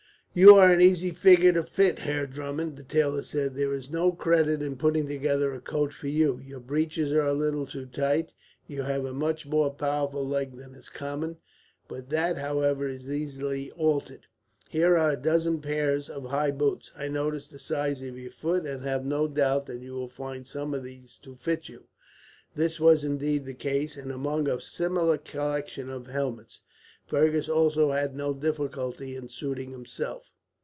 "You are an easy figure to fit, Herr Drummond," the tailor said. "There is no credit in putting together a coat for you. Your breeches are a little too tight you have a much more powerful leg than is common but that, however, is easily altered. "Here are a dozen pairs of high boots. I noticed the size of your foot, and have no doubt that you will find some of these to fit you." This was indeed the case, and among a similar collection of helmets, Fergus also had no difficulty in suiting himself.